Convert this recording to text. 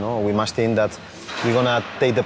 พูดต้านยังว่าทีมโครงกลางแรมคือ๑๗๐๐น